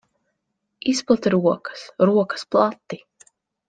Izplet rokas. Rokas plati!